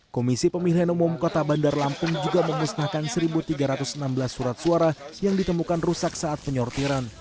komisi pemilihan umum kota bandar lampung juga memusnahkan satu tiga ratus enam belas surat suara yang ditemukan rusak saat penyortiran